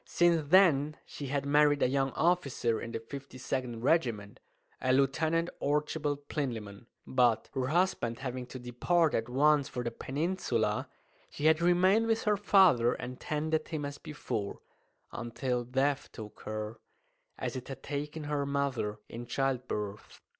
Since then she had married a young officer in the 52nd Regiment, a Lieutenant Archibald Plinlimmon; but, her husband having to depart at once for the Peninsula, she had remained with her father and tended him as before, until death took her as it had taken her mother in childbirth.